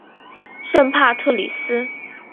圣帕特里斯。